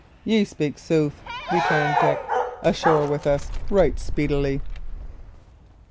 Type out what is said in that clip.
"Ye speak sooth," returned Dick. "Ashore with us, right speedily."